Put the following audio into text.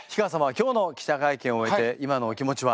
今日の記者会見を終えて今のお気持ちは？